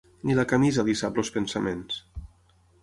Ni la camisa li sap els pensaments.